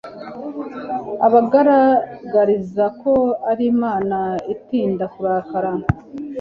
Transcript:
ubagaragariza ko uri imana itinda kurakara